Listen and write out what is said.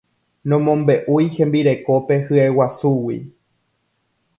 Nomombe'úi hembirekópe hyeguasúgui.